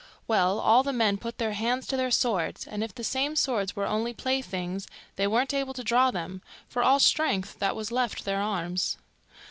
Well, all the men put their hands to their swords; and if the same swords were only playthings, they weren't able to draw them, for all strength that was left their arms.